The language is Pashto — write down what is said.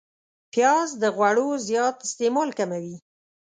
پیاز د غوړو زیات استعمال کموي